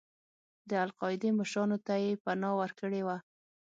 د القاعدې مشرانو ته یې پناه ورکړې وه.